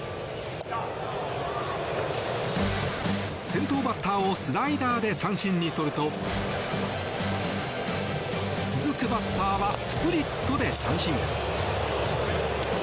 先頭バッターをスライダーで三振に取ると続くバッターはスプリットで三振。